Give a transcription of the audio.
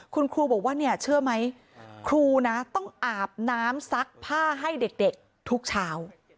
คุณครูบอกว่าเนี่ยเชื่อไหมครูนะต้องอาบน้ำซักผ้าให้เด็กทุกเช้า